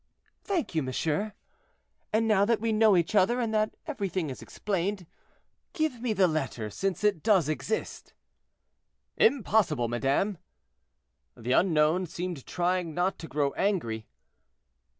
"Thank you, monsieur. And now that we know each other, and that everything is explained, give me the letter, since it does exist." "Impossible, madame." The unknown seemed trying not to grow angry.